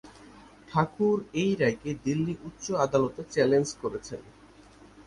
ঠাকুর এই রায়কে দিল্লি উচ্চ আদালতে চ্যালেঞ্জ করেছেন।